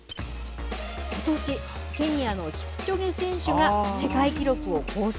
ことし、ケニアのキプチョゲ選手が世界記録を更新。